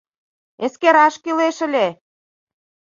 — Эскераш кӱлеш ыле!